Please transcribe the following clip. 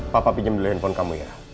papa pinjam dulu handphone kamu ya